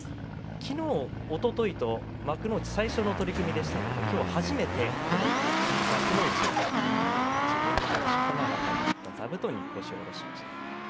きのうおとといと幕内最初の取組でしたのできょうは初めて幕内の自分のしこ名が入った座布団に腰を下ろしました。